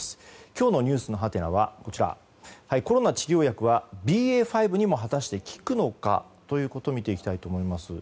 今日のｎｅｗｓのハテナはコロナ治療薬はＢＡ．５にも果たして効くのか？ということを見ていきたいと思います。